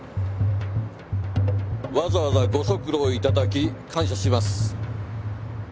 わざわざご足労頂き感謝します。